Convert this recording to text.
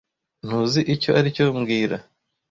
Ntuzi icyo aricyo mbwira